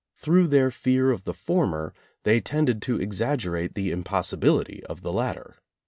Through their fear of the former they tended to exaggerate the impossibility of the latter.